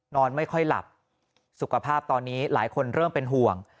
นอนไม่ค่อยหลับสุขภาพตอนนี้หลายคนเริ่มเป็นห่วง